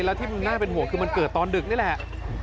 แล้วที่มันน่าเป็นห่วงคือมันเกิดตอนดึกนี่แหละ